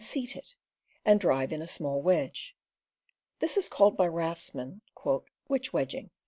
seat it, and drive in a small wedge. This is called by raftsmen "witch wedging."